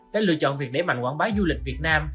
đã lựa chọn việc đẩy mạnh quảng bá du lịch việt nam